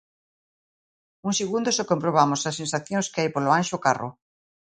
Uns segundos e comprobamos as sensacións que hai polo Anxo Carro.